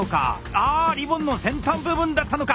あリボンの先端部分だったのか！